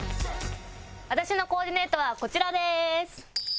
私のコーディネートはこちらです！